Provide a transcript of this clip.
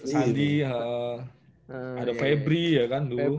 sandi ada febri ya kan dulu